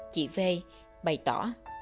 chị v bày tỏ